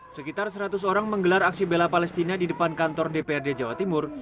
sekitar seratus orang menggelar aksi bela palestina di depan kantor dprd jawa timur